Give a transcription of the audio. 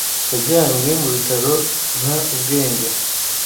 Yajyanywe mu bitaro nta ubwenge.